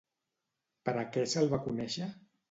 Per a què se'l va conèixer?